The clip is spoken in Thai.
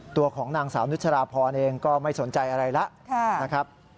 ตัวของนางสาวนุชราพรเองก็ไม่สนใจอะไรแล้วนะครับ